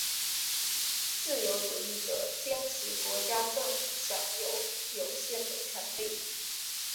自由主义者坚持国家政府享有有限的权力。